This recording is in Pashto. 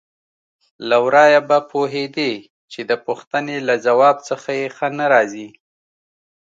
له ورايه به پوهېدې چې د پوښتنې له ځواب څخه یې ښه نه راځي.